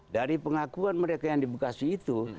dari pengakuan mereka yang di bekasi itu